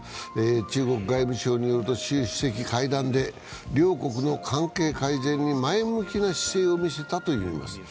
中国外務省によると習主席は会談で両国の関係改善に前向きな姿勢を見せたといいます。